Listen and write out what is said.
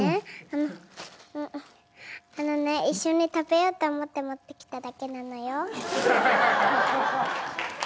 あのあのね一緒に食べようと思って持ってきただけなのよ。